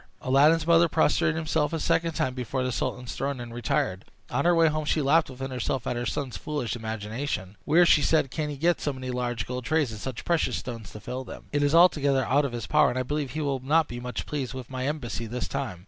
Aladdin's mother prostrated herself a second time before the sultan's throne, and retired. On her way home she laughed within herself at her son's foolish imagination. "Where," said she, "can he get so many large gold trays, and such precious stones to fill them? It is altogether out of his power, and I believe he will not be much pleased with my embassy this time."